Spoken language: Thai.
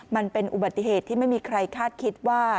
มันเป็นอุบัติเหตุที่ไม่มีใครคาดคิดว่า